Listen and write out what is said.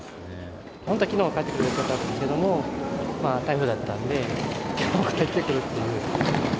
本当はきのう帰ってくる予定だったんですけれども、台風だったんで、きょう帰ってくるっていう。